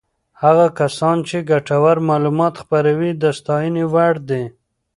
هغه کسان چې ګټور معلومات خپروي د ستاینې وړ دي.